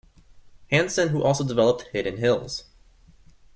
Hanson, who also developed Hidden Hills.